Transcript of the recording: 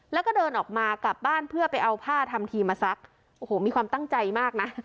แล้วก็เดินออกมากลับบ้านเพื่อไปเอาผ้าทำทีมาซักโอ้โหมีความตั้งใจมากนะ